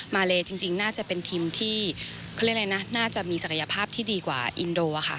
มาเลจริงน่าจะเป็นทีมที่เขาเรียกอะไรนะน่าจะมีศักยภาพที่ดีกว่าอินโดอะค่ะ